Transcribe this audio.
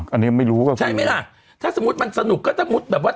อันนี้ไม่รู้ใช่ไหมล่ะถ้าสมมุติมันสนุกก็ถ้ามุติแบบว่า